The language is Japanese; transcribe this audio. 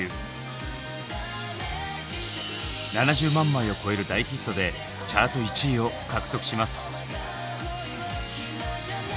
７０万枚を超える大ヒットでチャート１位を獲得します。